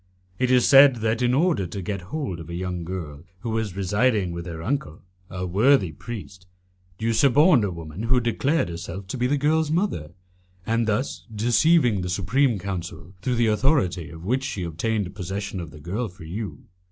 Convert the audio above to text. It is said that, in order to get hold of a young girl who was residing with her uncle a worthy priest, you suborned a woman who declared herself to be the girl's mother, and thus deceived the Supreme Council, through the authority of which she obtained possession of the girl for you.